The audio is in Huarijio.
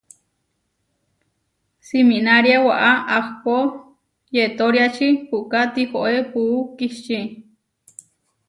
Siminária waʼá, ahpó yetóriači puʼká tihoé puú kihčí.